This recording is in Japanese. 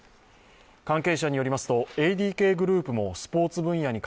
関係者によりますとＡＤＫグループもスポーツ分野に